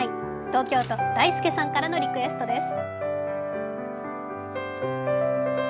東京都だいすけさんからのリクエストです。